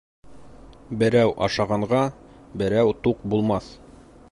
Берәү ашағанға берәү туҡ булмаҫ.